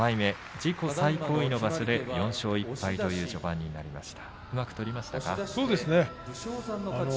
自己最高位の場所で４勝１敗という序盤になりました。